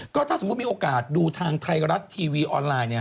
ก็ถ้าสมมุติมีโอกาสดูทางไทยรัฐทีวีออนไลน์